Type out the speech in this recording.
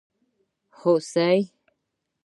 🦌 هوسي